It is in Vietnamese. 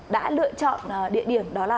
đã lựa chọn địa điểm